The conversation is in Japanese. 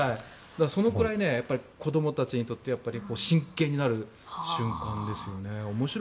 そのくらい子どもたちにとって真剣になる瞬間ですよね。